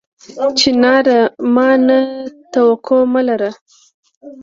چناره! ما نه توقع مه لره